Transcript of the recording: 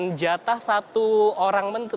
terdapat jatah satu orang